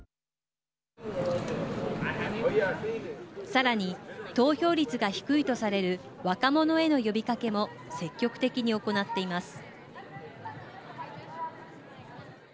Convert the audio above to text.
さらに投票率が低いとされる若者への呼びかけも積極的に行っています。